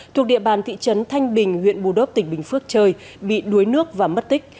thuộc địa bàn thị trấn thanh bình huyện bù đốp tỉnh bình phước trời bị đuối nước và mất tích